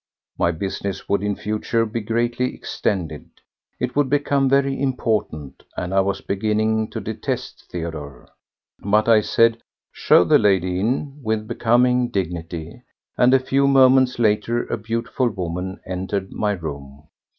My business would in future be greatly extended; it would become very important, and I was beginning to detest Theodore. But I said "Show the lady in!" with becoming dignity, and a few moments later a beautiful woman entered my room.